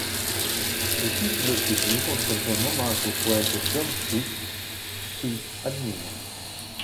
Les titres de ces livres sont un hommage au poète John Keats qu'il admire.